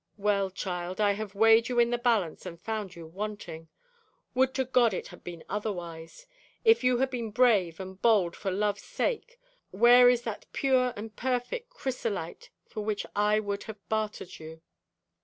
Well, child, I have weighed you in the balance and found you wanting. Would to God it had been otherwise! If you had been brave and bold for love's sake, where is that pure and perfect chrysolite for which I would have bartered you?'